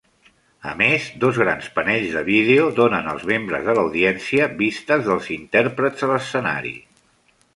A més, dos grans panells de vídeo donen als membres de l'audiència vistes dels intèrprets a l'escenari.